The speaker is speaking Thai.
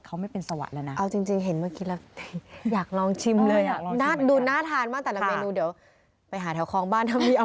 เขาไม่เป็นสวาดแล้วนะ